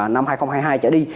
năm hai nghìn hai mươi hai trở đi